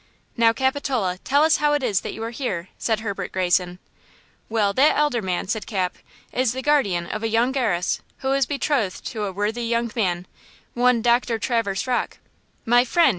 "Now, Capitola, tell us how it is that you are here!" said Herbert Greyson. "Well, that elder man," said Cap, "is the guardian of a young heiress who was betrothed to a worthy young man, one Doctor Traverse Rocke." "My friend!"